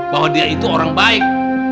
bahwa dia itu orang baik